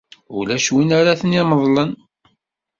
Ulac win ara ten-imeḍlen.